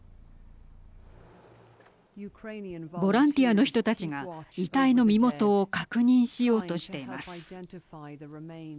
ボランティアの人たちが遺体の身元を確認しようとしています。